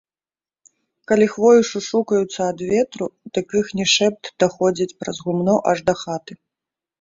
Калі хвоі шушукаюцца ад ветру, дык іхні шэпт даходзіць праз гумно аж да хаты.